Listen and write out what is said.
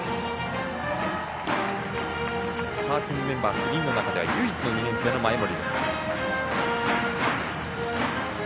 スターティングメンバー９人の中では唯一の２年生、前盛。